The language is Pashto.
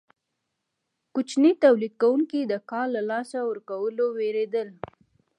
کوچني تولید کوونکي د کار له لاسه ورکولو ویریدل.